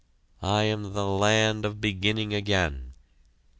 I am the Land of Beginning Again.